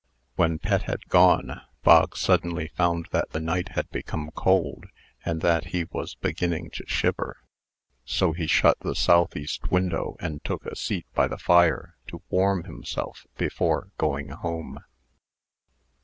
When Pet had gone, Bog suddenly found that the night had become cold, and that he was beginning to shiver. So he shut the southeast window, and took a seat by the fire to warm himself before going home.